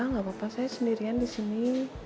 nggak apa apa saya sendirian di sini